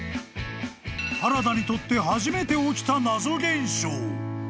［原田にとって初めて起きた謎現象］